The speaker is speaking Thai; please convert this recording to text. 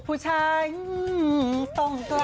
ผู้ชายอื้อต้องกล้า